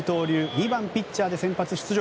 ２番ピッチャーで先発出場。